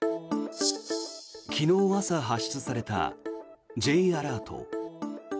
昨日朝発出されたＪアラート。